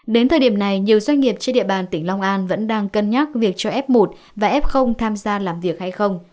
đến thời điểm này nhiều doanh nghiệp trên địa bàn tỉnh long an vẫn đang cân nhắc việc cho f một và f tham gia làm việc hay không